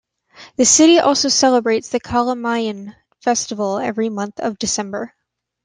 The City also celebrates the Kalamayan Festival every month of December.